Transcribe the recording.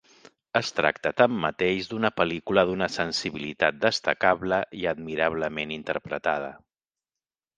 Es tracta tanmateix d'una pel·lícula d'una sensibilitat destacable i admirablement interpretada.